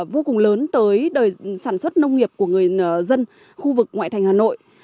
vô cùng lớn tới đời sản xuất nông nghiệp của người dân khu vực ngoại thành hà nội